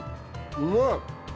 うまい！